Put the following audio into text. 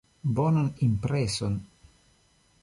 Bonan impreson!